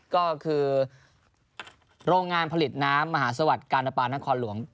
ก็คือโรงงานผลิตน้ำมหาสวัสดิ์การปานครหลวง